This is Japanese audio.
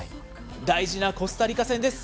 大事なコスタリカ戦です。